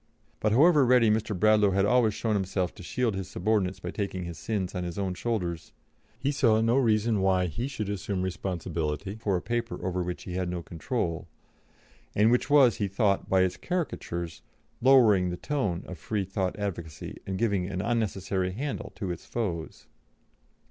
But however ready Mr. Bradlaugh had always shown himself to shield his subordinates by taking his sins on his own shoulders, he saw no reason why he should assume responsibility for a paper over which he had no control, and which was, he thought, by its caricatures, lowering the tone of Freethought advocacy and giving an unnecessary handle to its foes.